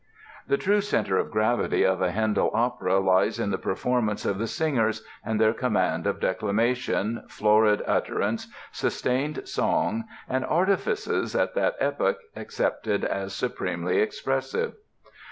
The true center of gravity of a Handel opera lies in the performance of the singers and their command of declamation, florid utterance, sustained song and artifices at that epoch accepted as supremely expressive.